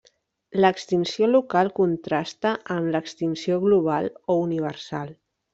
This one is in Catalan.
L'extinció local contrasta amb l'extinció global o universal.